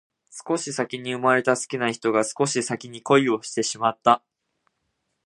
少し先に生まれた好きな人が少し先に恋をしてしまった